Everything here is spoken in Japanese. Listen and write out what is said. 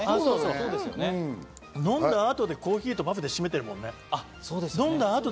飲んだ後、コーヒーとかで締めてるもんね。